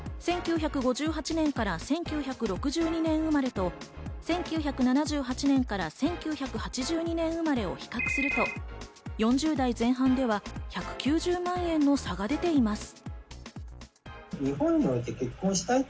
１９５８年から１９６２年生まれと、１９７８年から１９８２年生まれを比較すると４０代前半では１９０万円の差が出ています。